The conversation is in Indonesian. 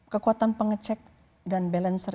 kekuatan pengecek dan balancer